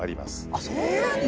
あっそんなに！？